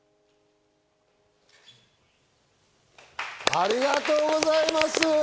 ありがとうございます。